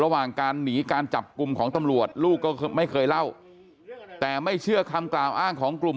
ระหว่างการหนีการจับกลุ่มของตำรวจลูกก็ไม่เคยเล่าแต่ไม่เชื่อคำกล่าวอ้างของกลุ่ม